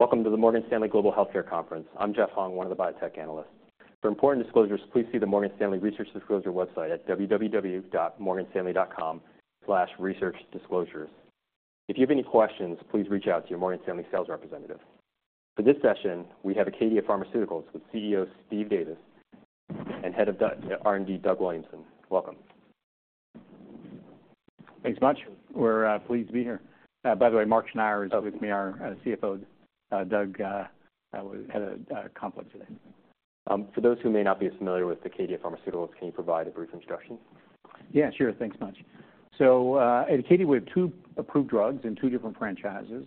Welcome to the Morgan Stanley Global Healthcare Conference. I'm Jeff Hung, one of the biotech analysts. For important disclosures, please see the Morgan Stanley Research Disclosure website at www.morganstanley.com/researchdisclosures. If you have any questions, please reach out to your Morgan Stanley sales representative. For this session, we have Acadia Pharmaceuticals, with CEO Steve Davis and Head of R&D, Doug Williamson. Welcome. Thanks much. We're pleased to be here. By the way, Mark Schneyer is with me, our CFO. Doug had a conflict today. For those who may not be as familiar with Acadia Pharmaceuticals, can you provide a brief introduction? Yeah, sure. Thanks much. So, at Acadia, we have two approved drugs in two different franchises.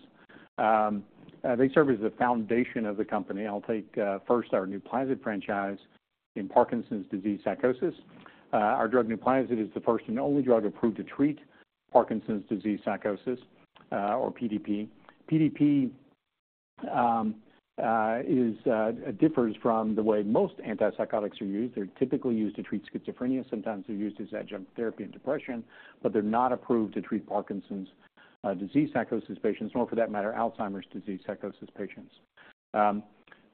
They serve as the foundation of the company. I'll take first our NUPLAZID franchise in Parkinson's disease psychosis. Our drug, NUPLAZID, is the first and only drug approved to treat Parkinson's disease psychosis, or PDP. PDP differs from the way most antipsychotics are used. They're typically used to treat schizophrenia. Sometimes they're used as adjunct therapy in depression, but they're not approved to treat Parkinson's disease psychosis patients, nor for that matter, Alzheimer's disease psychosis patients.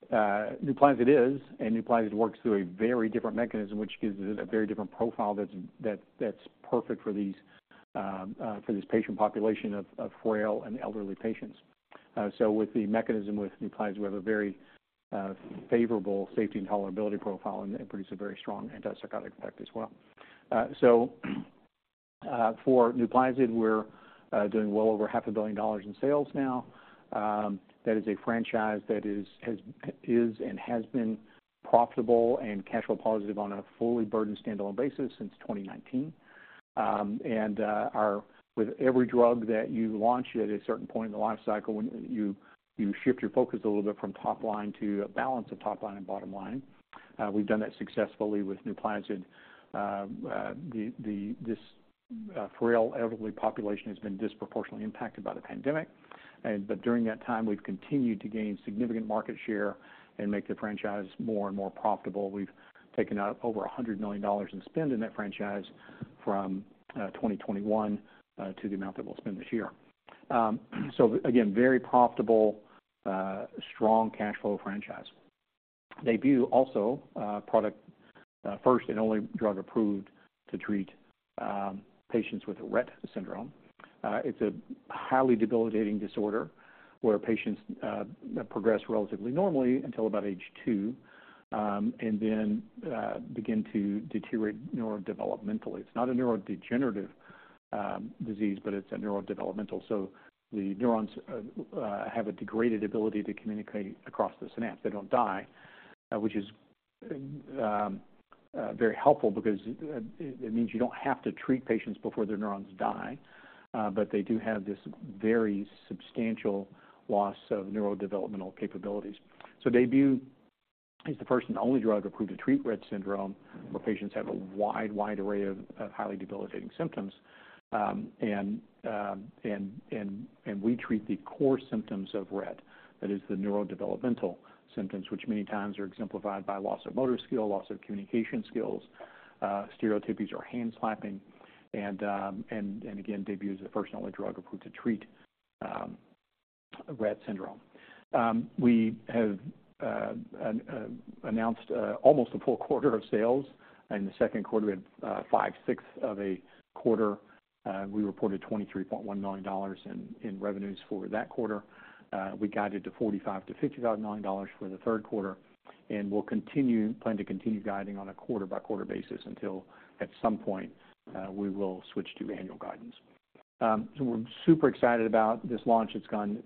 NUPLAZID is, and NUPLAZID works through a very different mechanism, which gives it a very different profile that's perfect for these, for this patient population of frail and elderly patients. So with the mechanism with NUPLAZID, we have a very favorable safety and tolerability profile and it produces a very strong antipsychotic effect as well. So, for NUPLAZID, we're doing well over $500 million in sales now. That is a franchise that has been profitable and cash flow positive on a fully burdened standalone basis since 2019. With every drug that you launch at a certain point in the life cycle, when you shift your focus a little bit from top line to a balance of top line and bottom line. We've done that successfully with NUPLAZID. The frail elderly population has been disproportionately impacted by the pandemic, but during that time, we've continued to gain significant market share and make the franchise more and more profitable. We've taken out over $100 million in spend in that franchise from 2021 to the amount that we'll spend this year. So again, very profitable, strong cash flow franchise. DAYBUE, also, product, first and only drug approved to treat patients with Rett syndrome. It's a highly debilitating disorder where patients progress relatively normally until about age two, and then begin to deteriorate neurodevelopmentally. It's not a neurodegenerative disease, but it's a neurodevelopmental, so the neurons have a degraded ability to communicate across the synapse. They don't die, which is very helpful because it, it means you don't have to treat patients before their neurons die. But they do have this very substantial loss of neurodevelopmental capabilities. So DAYBUE is the first and only drug approved to treat Rett syndrome, where patients have a wide, wide array of, of highly debilitating symptoms. And we treat the core symptoms of Rett. That is, the neurodevelopmental symptoms, which many times are exemplified by loss of motor skill, loss of communication skills, stereotypies or hand slapping, and again, DAYBUE is the first and only drug approved to treat Rett syndrome. We have announced almost a full quarter of sales, and the second quarter, we had five-sixth of a quarter. We reported $23.1 million in revenues for that quarter. We guided to $45 million-$55 million for the third quarter, and we'll continue, plan to continue guiding on a quarter-by-quarter basis until at some point, we will switch to annual guidance. So we're super excited about this launch. It's gone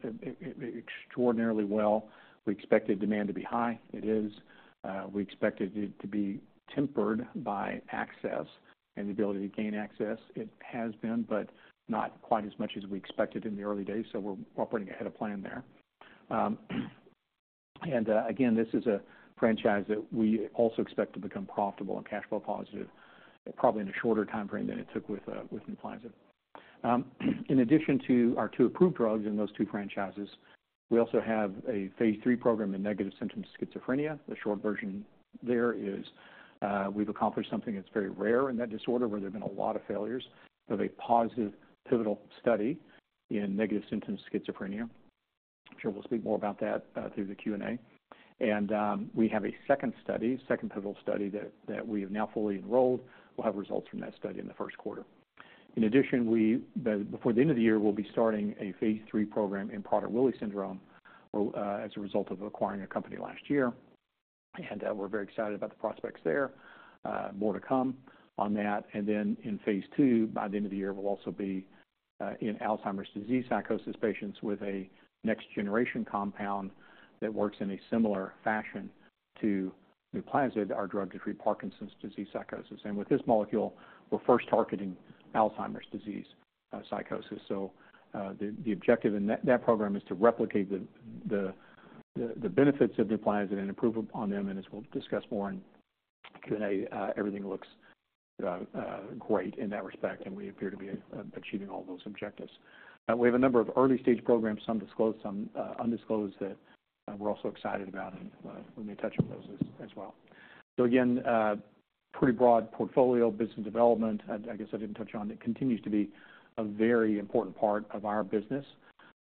extraordinarily well. We expected demand to be high. It is. We expected it to be tempered by access and the ability to gain access. It has been, but not quite as much as we expected in the early days, so we're operating ahead of plan there. And again, this is a franchise that we also expect to become profitable and cash flow positive, probably in a shorter timeframe than it took with NUPLAZID. In addition to our two approved drugs in those two franchises, we also have a phase III program in negative symptom schizophrenia. The short version there is, we've accomplished something that's very rare in that disorder, where there have been a lot of failures, of a positive pivotal study in negative symptom schizophrenia. I'm sure we'll speak more about that, through the Q&A. We have a second study, second pivotal study, that we have now fully enrolled. We'll have results from that study in the first quarter. In addition, before the end of the year, we'll be starting a phase III program in Prader-Willi syndrome, as a result of acquiring a company last year. We're very excited about the prospects there. More to come on that. And then in phase II, by the end of the year, we'll also be in Alzheimer's disease psychosis patients with a next-generation compound that works in a similar fashion to NUPLAZID, our drug to treat Parkinson's disease psychosis. And with this molecule, we're first targeting Alzheimer's disease psychosis. So, the benefits of NUPLAZID and improve upon them. And as we'll discuss more in Q&A, everything looks great in that respect, and we appear to be achieving all those objectives. We have a number of early-stage programs, some disclosed, some undisclosed, that we're also excited about, and we may touch on those as well. So again, pretty broad portfolio, business development, I guess I didn't touch on. It continues to be a very important part of our business.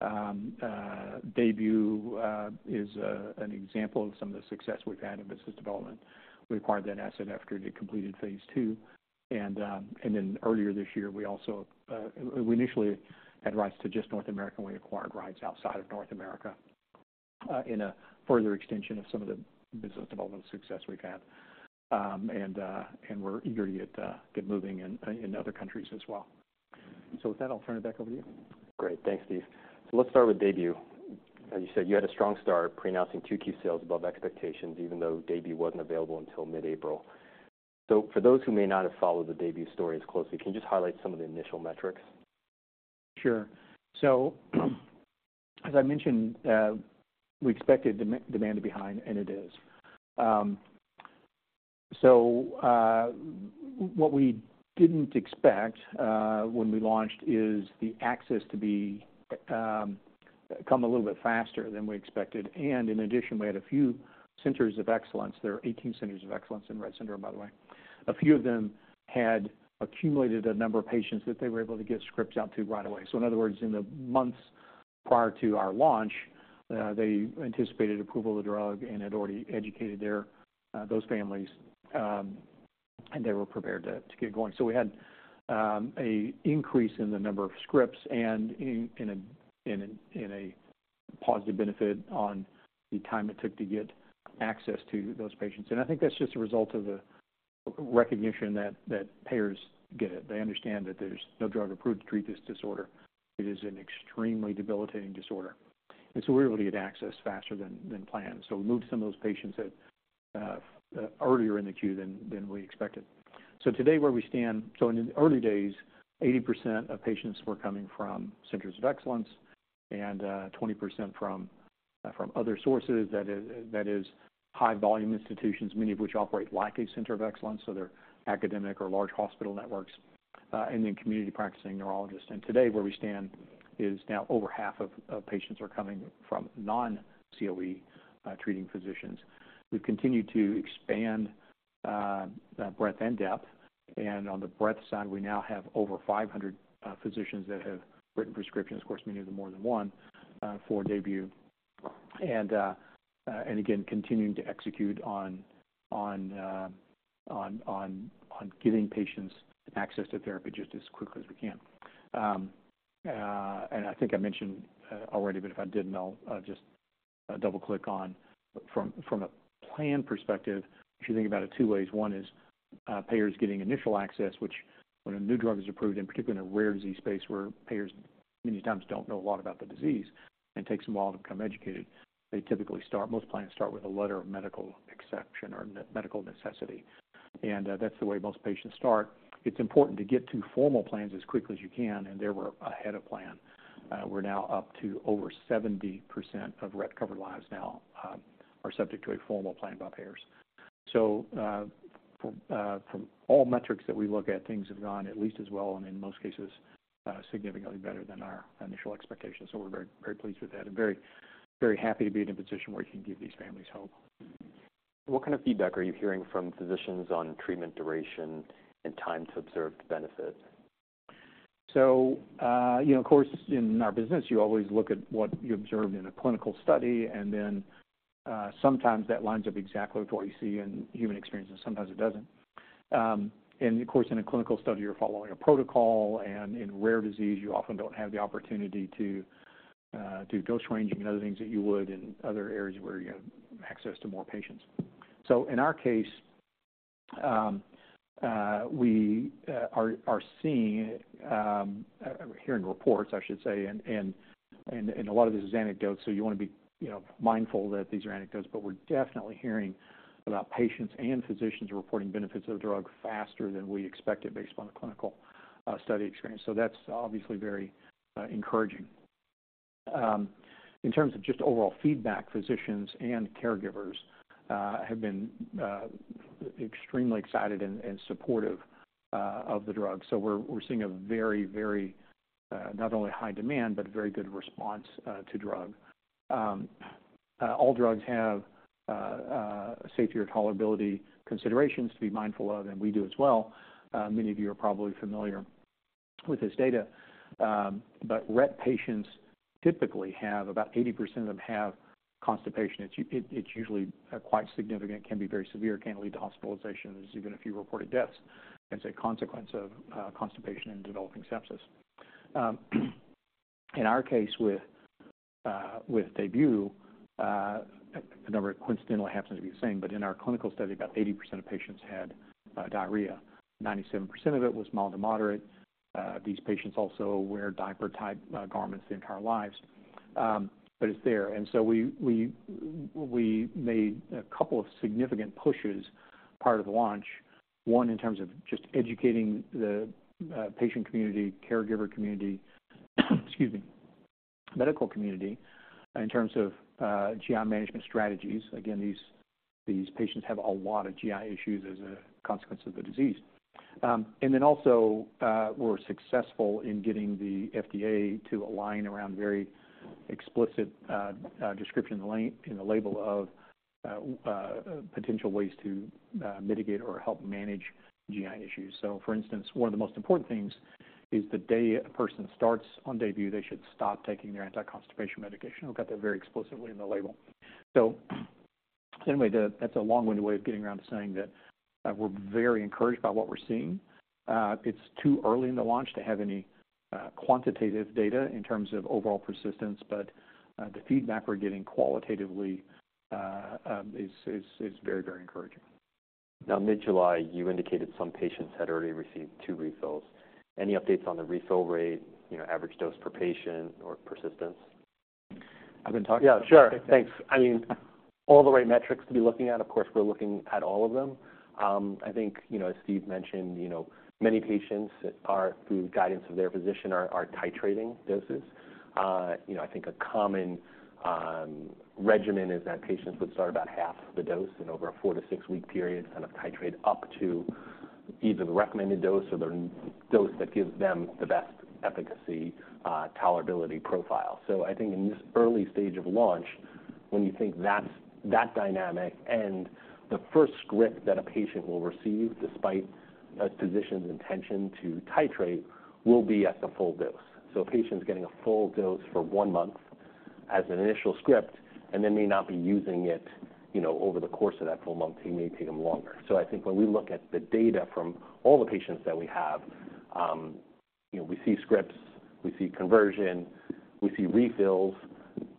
DAYBUE is an example of some of the success we've had in business development. We acquired that asset after it completed phase two, and then earlier this year, we also initially had rights to just North America, and we acquired rights outside of North America in a further extension of some of the business development success we've had. And we're eager to get moving in other countries as well. So with that, I'll turn it back over to you. Great. Thanks, Steve. So let's start with DAYBUE. As you said, you had a strong start, preannouncing two key sales above expectations, even though DAYBUE wasn't available until mid-April. So for those who may not have followed the DAYBUE story as closely, can you just highlight some of the initial metrics? Sure. So, as I mentioned, we expected demand to be high, and it is. So, what we didn't expect when we launched is the access to come a little bit faster than we expected. And in addition, we had a few Centers of Excellence. There are 18 Centers of Excellence in Rett syndrome, by the way. A few of them had accumulated a number of patients that they were able to get scripts out to right away. So in other words, in the months prior to our launch, they anticipated approval of the drug and had already educated their those families, and they were prepared to get going. So we had an increase in the number of scripts and in a positive benefit on the time it took to get access to those patients. And I think that's just a result of the recognition that payers get it. They understand that there's no drug approved to treat this disorder. It is an extremely debilitating disorder. And so we were able to get access faster than planned. So moved some of those patients earlier in the queue than we expected. So today, where we stand... So in the early days, 80% of patients were coming from Centers of Excellence and 20% from other sources. That is high-volume institutions, many of which operate like a Center of Excellence, so they're academic or large hospital networks, and then community practicing neurologists. And today, where we stand is now over half of patients are coming from non-COE treating physicians. We've continued to expand breadth and depth, and on the breadth side, we now have over 500 physicians that have written prescriptions. Of course, many of them more than one for DAYBUE. And again, continuing to execute on getting patients access to therapy just as quickly as we can. And I think I mentioned already, but if I didn't, I'll just double-click on from a plan perspective, if you think about it two ways. One is, payers getting initial access, which when a new drug is approved, and particularly in a rare disease space, where payers many times don't know a lot about the disease and takes them a while to become educated, they typically start, most plans start with a letter of medical exception or medical necessity, and, that's the way most patients start. It's important to get to formal plans as quickly as you can, and there we're ahead of plan. We're now up to over 70% of Rett covered lives now are subject to a formal plan by payers. So, from all metrics that we look at, things have gone at least as well, and in most cases, significantly better than our initial expectations. We're very, very pleased with that and very, very happy to be in a position where we can give these families hope. What kind of feedback are you hearing from physicians on treatment duration and time to observed benefit? So, you know, of course, in our business, you always look at what you observed in a clinical study, and then, sometimes that lines up exactly with what you see in human experiences, and sometimes it doesn't. And of course, in a clinical study, you're following a protocol, and in rare disease, you often don't have the opportunity to do dose ranging and other things that you would in other areas where you have access to more patients. So in our case, we are hearing reports, I should say, and a lot of this is anecdotes, so you want to be, you know, mindful that these are anecdotes. But we're definitely hearing about patients and physicians reporting benefits of the drug faster than we expected based upon the clinical study experience. So that's obviously very encouraging. In terms of just overall feedback, physicians and caregivers have been extremely excited and supportive of the drug. So we're seeing a very, very not only high demand, but very good response to drug. All drugs have safety or tolerability considerations to be mindful of, and we do as well. Many of you are probably familiar with this data, but Rett patients typically have about 80% of them have constipation. It's usually quite significant, can be very severe, can lead to hospitalizations, even a few reported deaths as a consequence of constipation and developing sepsis. In our case with DAYBUE, the number coincidentally happens to be the same, but in our clinical study, about 80% of patients had diarrhea. 97% of it was mild to moderate. These patients also wear diaper-type garments their entire lives. But it's there. And so we made a couple of significant pushes prior to the launch. One, in terms of just educating the patient community, caregiver community, excuse me, medical community, in terms of GI management strategies. Again, these patients have a lot of GI issues as a consequence of the disease. And then also, we're successful in getting the FDA to align around very explicit description in the label of potential ways to mitigate or help manage GI issues. So for instance, one of the most important things is the day a person starts on DAYBUE, they should stop taking their anti-constipation medication. We've got that very explicitly in the label. So anyway, that's a long-winded way of getting around to saying that we're very encouraged by what we're seeing. It's too early in the launch to have any quantitative data in terms of overall persistence, but the feedback we're getting qualitatively is very, very encouraging. Now, mid-July, you indicated some patients had already received 2 refills. Any updates on the refill rate, you know, average dose per patient or persistence? I've been talking- Yeah, sure. Thanks. I mean, all the right metrics to be looking at, of course, we're looking at all of them. I think, you know, as Steve mentioned, you know, many patients are, through guidance of their physician, titrating doses. You know, I think a common regimen is that patients would start about half the dose and over a four-six week period, kind of titrate up to either the recommended dose or the dose that gives them the best efficacy, tolerability profile. So I think in this early stage of launch, when you think that's that dynamic, and the first script that a patient will receive, despite a physician's intention to titrate, will be at the full dose. So a patient's getting a full dose for one month as an initial script and then may not be using it, you know, over the course of that full month. He may take them longer. So I think when we look at the data from all the patients that we have, you know, we see scripts, we see conversion, we see refills.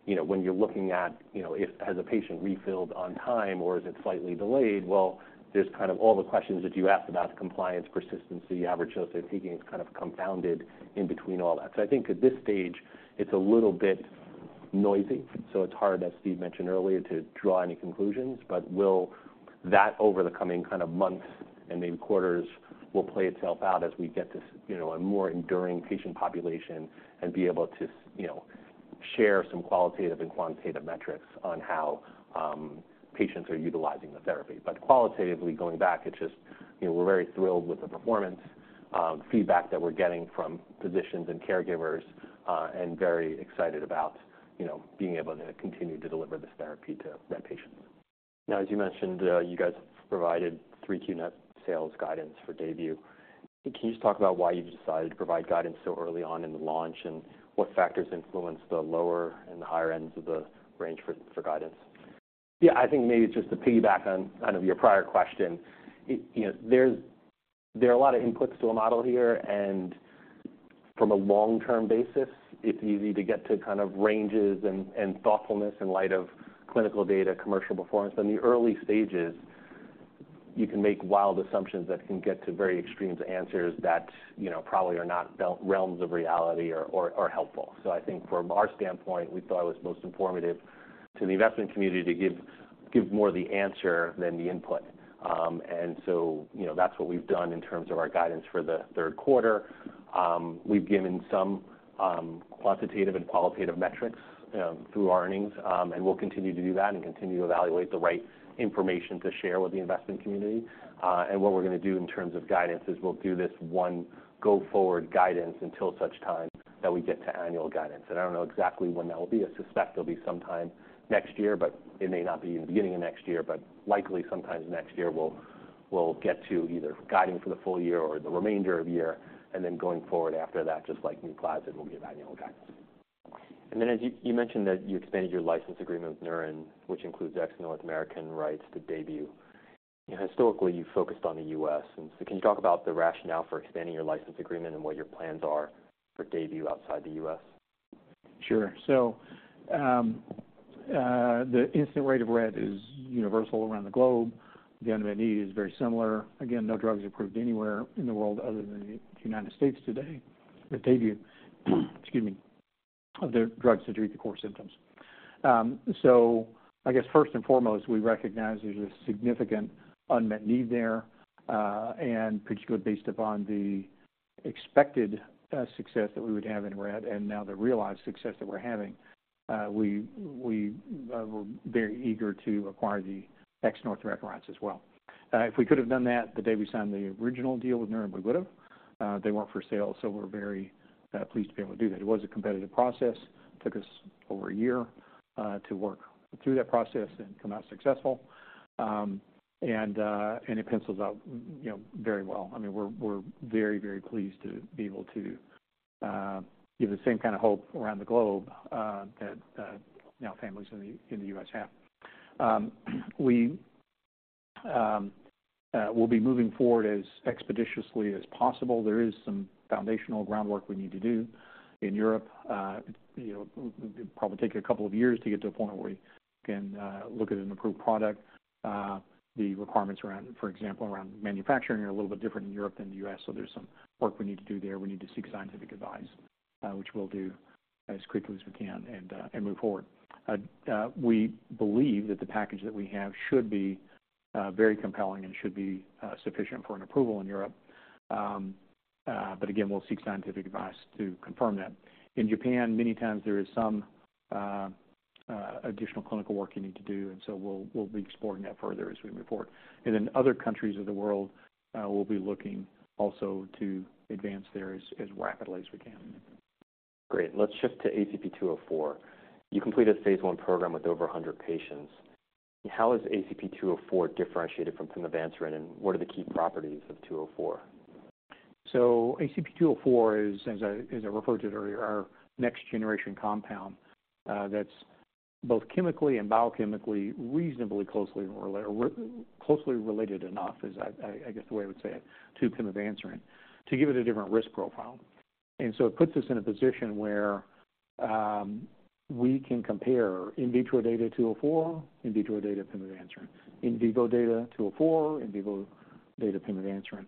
You know, when you're looking at, you know, if has a patient refilled on time, or is it slightly delayed? Well, there's kind of all the questions that you asked about compliance, persistency, average dose they're taking is kind of compounded in between all that. So I think at this stage, it's a little bit noisy, so it's hard, as Steve mentioned earlier, to draw any conclusions. But will that over the coming kind of months and maybe quarters, will play itself out as we get to, you know, a more enduring patient population and be able to you know, share some qualitative and quantitative metrics on how, patients are utilizing the therapy. But qualitatively, going back, it's just, you know, we're very thrilled with the performance, feedback that we're getting from physicians and caregivers, and very excited about, you know, being able to continue to deliver this therapy to that patient. Now, as you mentioned, you guys provided 3Q net sales guidance for DAYBUE. Can you just talk about why you decided to provide guidance so early on in the launch, and what factors influenced the lower and the higher ends of the range for guidance? Yeah, I think maybe just to piggyback on your prior question. You know, there are a lot of inputs to a model here, and from a long-term basis, it's easy to get to kind of ranges and thoughtfulness in light of clinical data, commercial performance. In the early stages, you can make wild assumptions that can get to very extreme answers that, you know, probably are not in the realm of reality or helpful. So I think from our standpoint, we thought it was most informative to the investment community to give more the answer than the input. And so, you know, that's what we've done in terms of our guidance for the third quarter. We've given some quantitative and qualitative metrics through our earnings. And we'll continue to do that and continue to evaluate the right information to share with the investment community. And what we're gonna do in terms of guidance is we'll do this one go-forward guidance until such time that we get to annual guidance. And I don't know exactly when that will be. I suspect it'll be sometime next year, but it may not be in the beginning of next year, but likely sometime next year, we'll get to either guiding for the full year or the remainder of the year. And then going forward after that, just like new clouds, it will be annual guidance. And then, as you mentioned that you expanded your license agreement with Neuren, which includes ex-North American rights to DAYBUE. Historically, you focused on the US, and so can you talk about the rationale for expanding your license agreement and what your plans are for DAYBUE outside the US? Sure. So, the incidence rate of Rett is universal around the globe. The unmet need is very similar. Again, no drugs approved anywhere in the world other than the United States today, with DAYBUE, excuse me, other drugs that treat the core symptoms. So I guess first and foremost, we recognize there's a significant unmet need there, and particularly based upon the expected success that we would have in Rett, and now the realized success that we're having, we were very eager to acquire the ex-North American rights as well. If we could have done that the day we signed the original deal with Neuren, we would have. They weren't for sale, so we're very pleased to be able to do that. It was a competitive process. Took us over a year to work through that process and come out successful. It pencils out, you know, very well. I mean, we're very pleased to be able to give the same kind of hope around the globe that now families in the U.S. have. We'll be moving forward as expeditiously as possible. There is some foundational groundwork we need to do in Europe. You know, it'll probably take a couple of years to get to a point where we can look at an approved product. The requirements around, for example, manufacturing are a little bit different in Europe than the U.S., so there's some work we need to do there. We need to seek scientific advice, which we'll do as quickly as we can and move forward. We believe that the package that we have should be very compelling and should be sufficient for an approval in Europe. But again, we'll seek scientific advice to confirm that. In Japan, many times there is some additional clinical work you need to do, and so we'll be exploring that further as we move forward. And in other countries of the world, we'll be looking also to advance there as rapidly as we can. Great. Let's shift to ACP-204. You completed a phase 1 program with over 100 patients. How is ACP-204 differentiated from Pimavanserin, and what are the key properties of 204? So ACP204 is, as I referred to it earlier, our next generation compound that's both chemically and biochemically reasonably closely related, or closely related enough, is, I guess, the way I would say it, to Pimavanserin, to give it a different risk profile. And so it puts us in a position where we can compare in vitro data 204, in vitro data Pimavanserin, in vivo data 204, in vivo data Pimavanserin.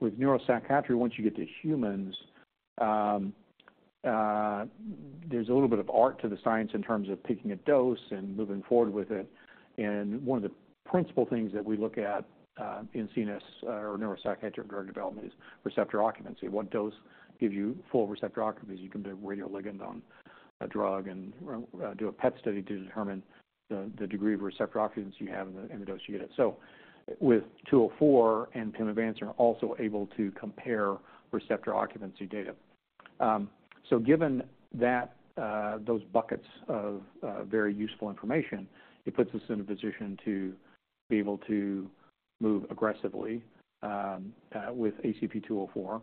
With neuropsychiatry, once you get to humans, there's a little bit of art to the science in terms of picking a dose and moving forward with it. And one of the principal things that we look at in CNS or neuropsychiatric drug development is receptor occupancy. What dose gives you full receptor occupancy? You can do radioligand on a drug and do a PET study to determine the degree of receptor occupancy you have in the dose you get it. So with 204 and Pimavanserin, are also able to compare receptor occupancy data. So given that, those buckets of very useful information, it puts us in a position to be able to move aggressively with ACP-204.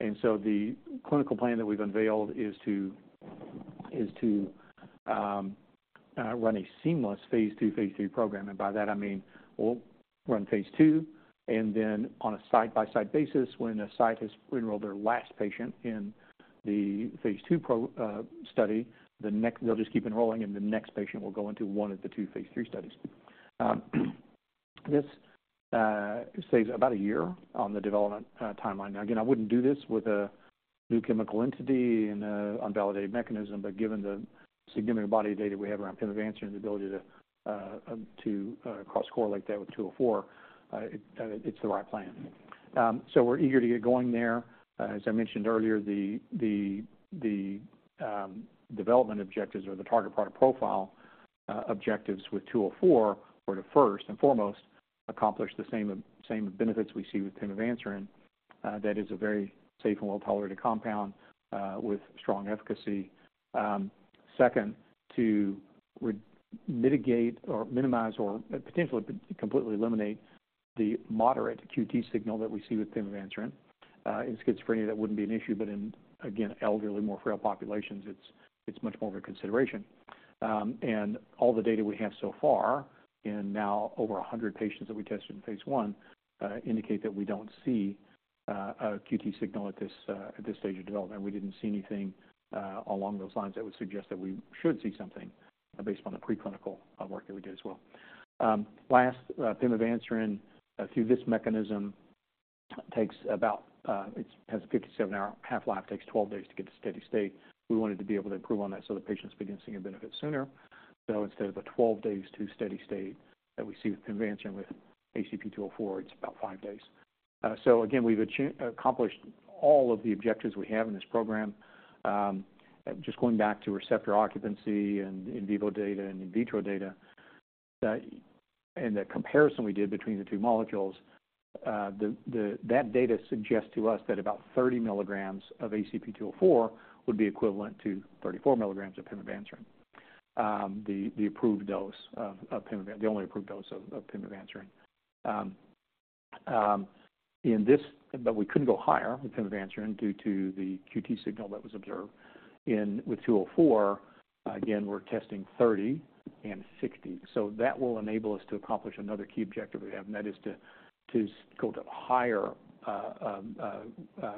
And so the clinical plan that we've unveiled is to run a seamless phase II, phase III program. And by that I mean, we'll run phase II, and then on a side-by-side basis, when a site has enrolled their last patient in the phase II study, the next... They'll just keep enrolling, and the next patient will go into one of the two phase III studies. This saves about a year on the development timeline. Now, again, I wouldn't do this with a new chemical entity and an unvalidated mechanism, but given the significant body of data we have around Pimavanserin, the ability to cross-correlate that with 204, it's the right plan. So we're eager to get going there. As I mentioned earlier, development objectives or the target product profile objectives with 204 were to first and foremost accomplish the same benefits we see with Pimavanserin. That is a very safe and well-tolerated compound with strong efficacy. Second, to mitigate, minimize or potentially completely eliminate the moderate QT signal that we see with Pimavanserin. In schizophrenia, that wouldn't be an issue, but in, again, elderly, more frail populations, it's much more of a consideration. And all the data we have so far, and now over 100 patients that we tested in phase I, indicate that we don't see a QT signal at this stage of development. We didn't see anything along those lines that would suggest that we should see something based on the preclinical work that we did as well. Last, Pimavanserin, through this mechanism, takes about, it has a 57-hour half-life, takes 12 days to get to steady state. We wanted to be able to improve on that so the patients begin seeing a benefit sooner. So instead of 12 days to steady state that we see with Pimavanserin, with ACP-204, it's about five days. So again, we've accomplished all of the objectives we have in this program. Just going back to receptor occupancy and in vivo data and in vitro data, that and the comparison we did between the two molecules, that data suggests to us that about 30 mg of ACP-204 would be equivalent to 34 mg of Pimavanserin. The only approved dose of Pimavanserin, but we couldn't go higher with Pimavanserin due to the QT signal that was observed. With 204, again, we're testing 30 and 60. So that will enable us to accomplish another key objective we have, and that is to go to higher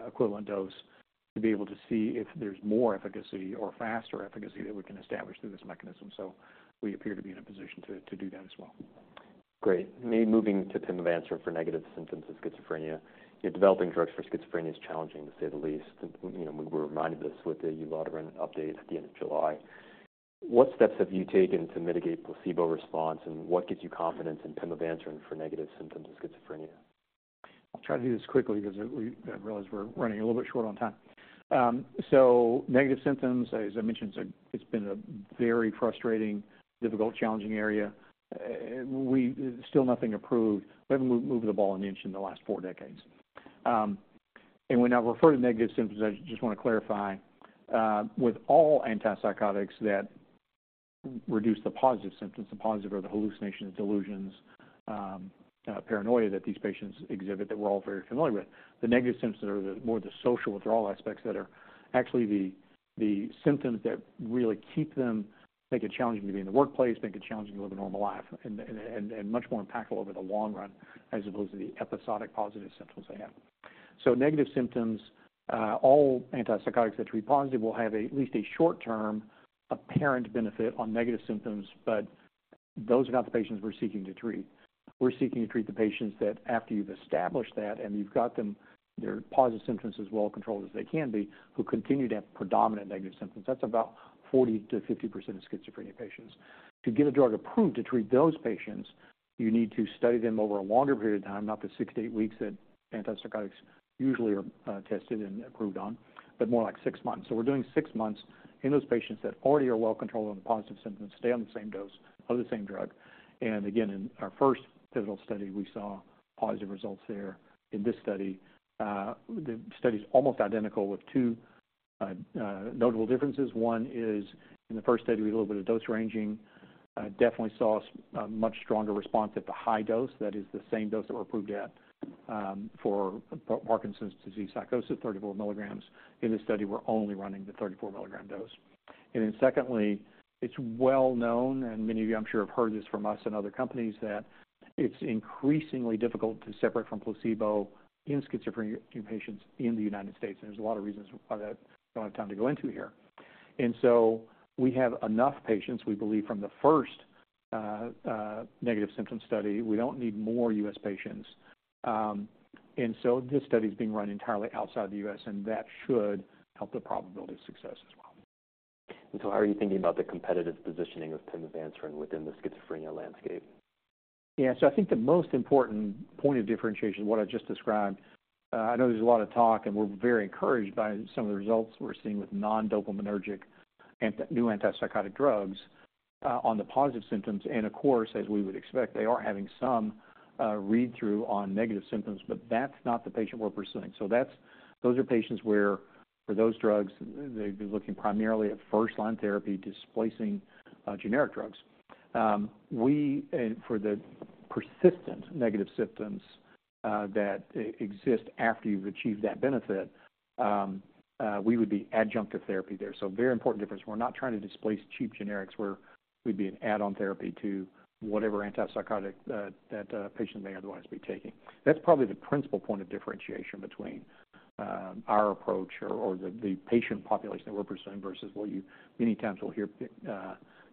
equivalent dose, to be able to see if there's more efficacy or faster efficacy that we can establish through this mechanism. So we appear to be in a position to do that as well. Great. Moving to Pimavanserin for negative symptoms of schizophrenia. You know, developing drugs for schizophrenia is challenging, to say the least. You know, we were reminded this with the ulotaront update at the end of July. What steps have you taken to mitigate placebo response, and what gives you confidence in Pimavanserin for negative symptoms of schizophrenia? I'll try to do this quickly because we, I realize we're running a little bit short on time. So negative symptoms, as I mentioned, it's been a very frustrating, difficult, challenging area. We still nothing approved. We haven't moved the ball an inch in the last four decades. And when I refer to negative symptoms, I just want to clarify, with all antipsychotics that reduce the positive symptoms, the positive are the hallucinations, delusions, paranoia that these patients exhibit, that we're all very familiar with. The negative symptoms are the more the social withdrawal aspects that are actually the symptoms that really keep them, make it challenging to be in the workplace, make it challenging to live a normal life and much more impactful over the long run, as opposed to the episodic positive symptoms they have. So negative symptoms, all antipsychotics that treat positive will have a, at least a short term, apparent benefit on negative symptoms, but those are not the patients we're seeking to treat. We're seeking to treat the patients that after you've established that, and you've got them, their positive symptoms as well controlled as they can be, who continue to have predominant negative symptoms. That's about 40%-50% of schizophrenia patients... To get a drug approved to treat those patients, you need to study them over a longer period of time, not the six-eight weeks that antipsychotics usually are tested and approved on, but more like six months. So we're doing six months in those patients that already are well controlled on the positive symptoms, stay on the same dose of the same drug. Again, in our first pivotal study, we saw positive results there. In this study, the study is almost identical with two notable differences. One is in the first study, we did a little bit of dose ranging. Definitely saw a much stronger response at the high dose. That is the same dose that we're approved at for Parkinson's disease psychosis, 34 milligrams. In this study, we're only running the 34 milligram dose. And then secondly, it's well known, and many of you, I'm sure, have heard this from us and other companies, that it's increasingly difficult to separate from placebo in schizophrenia patients in the United States, and there's a lot of reasons for that I don't have time to go into here. And so we have enough patients, we believe, from the first negative symptom study. We don't need more US patients. And so this study is being run entirely outside the US, and that should help the probability of success as well. How are you thinking about the competitive positioning of Pimavanserin within the schizophrenia landscape? Yeah. So I think the most important point of differentiation, what I just described, I know there's a lot of talk, and we're very encouraged by some of the results we're seeing with non-dopaminergic new antipsychotic drugs on the positive symptoms. And of course, as we would expect, they are having some read-through on negative symptoms, but that's not the patient we're pursuing. So that's those are patients where, for those drugs, they'd be looking primarily at first-line therapy, displacing generic drugs. We and for the persistent negative symptoms that exist after you've achieved that benefit, we would be adjunctive therapy there. So very important difference. We're not trying to displace cheap generics, we're we'd be an add-on therapy to whatever antipsychotic that patient may otherwise be taking. That's probably the principal point of differentiation between our approach or the patient population that we're pursuing versus what you many times will hear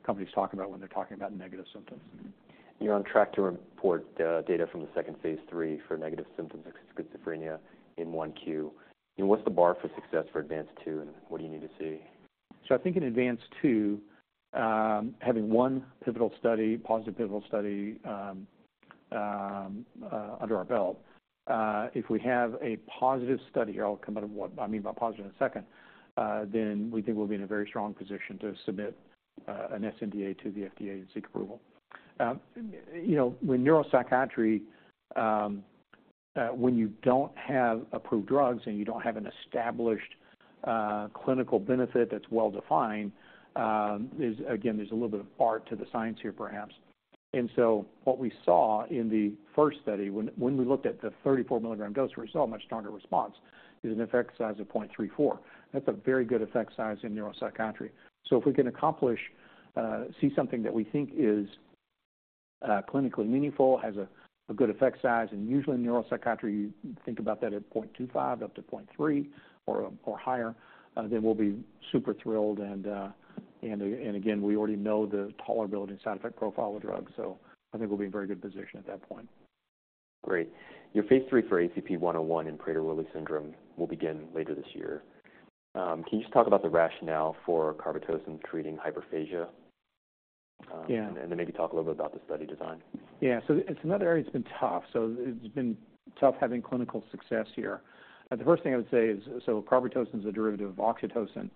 companies talk about when they're talking about negative symptoms. You're on track to report data from the second phase III for negative symptoms of schizophrenia in 1Q. What's the bar for success for ACP-204, and what do you need to see? So I think in ENHANCE-2, having one pivotal study, positive pivotal study, under our belt, if we have a positive study, I'll come out of what I mean by positive in a second, then we think we'll be in a very strong position to submit an sNDA to the FDA and seek approval. You know, with neuropsychiatry, when you don't have approved drugs and you don't have an established clinical benefit that's well defined, there's, again, there's a little bit of art to the science here, perhaps. And so what we saw in the first study, when we looked at the 34 milligram dose, we saw a much stronger response. It was an effect size of 0.34. That's a very good effect size in neuropsychiatry. So if we can accomplish see something that we think is clinically meaningful, has a good effect size, and usually in neuropsychiatry, you think about that at 0.25, up to 0.3 or higher, then we'll be super thrilled. And again, we already know the tolerability and side effect profile of the drug, so I think we'll be in very good position at that point. Great! Your phase III for ACP-101 in Prader-Willi syndrome will begin later this year. Can you just talk about the rationale for Carbetocin treating hyperphagia? Yeah. And then maybe talk a little bit about the study design. Yeah. It's another area that's been tough. It's been tough having clinical success here. The first thing I would say is, Carbetocin is a derivative of Oxytocin,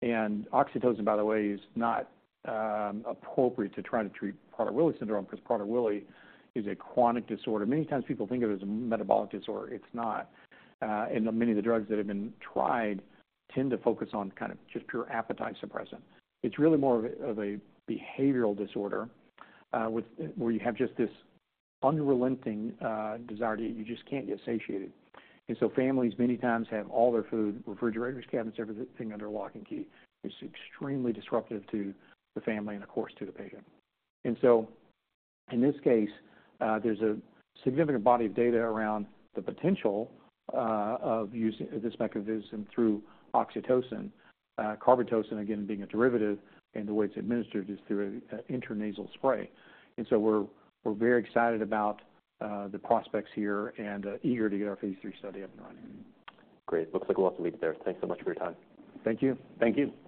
and Oxytocin, by the way, is not appropriate to try to treat Prader-Willi syndrome, because Prader-Willi is a chronic disorder. Many times people think of it as a metabolic disorder. It's not. And many of the drugs that have been tried tend to focus on kind of just pure appetite suppressant. It's really more of a behavioral disorder with where you have just this unrelenting desire to eat. You just can't get satiated. So families many times have all their food, refrigerators, cabinets, everything under lock and key. It's extremely disruptive to the family and, of course, to the patient. So in this case, there's a significant body of data around the potential of using this mechanism through Oxytocin. Carbetocin, again, being a derivative, and the way it's administered is through an intranasal spray. So we're very excited about the prospects here and eager to get our phase III study up and running. Great. Looks like we'll have to leave it there. Thanks so much for your time. Thank you. Thank you. Thanks so much.